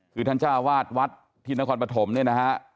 คือท่านเจ้าวาดวัดที่นครปฐมเนี่ยนะฮะ